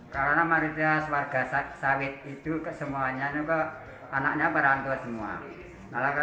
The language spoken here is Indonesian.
karena warga sawit itu anaknya semua orang tua